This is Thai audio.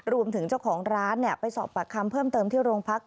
รวมถึงเจ้าของร้านไปสอบปากคำเพิ่มเติมที่โรงพัก